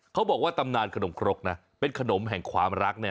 เขาบอกว่าตำนานขนมครกเป็นขนมแห่งความรัก